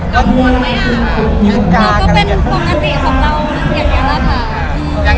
ทุกคนมันต้องมีไว้